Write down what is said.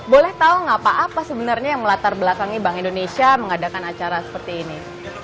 boleh tahu nggak pak apa sebenarnya yang melatar belakangi bank indonesia mengadakan acara seperti ini